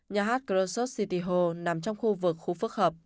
nhà hát khrushchev city hall nằm trong khu vực khu phức hợp